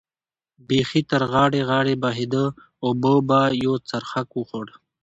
بېخي تر غاړې غاړې بهېده، اوبو به یو څرخک وخوړ.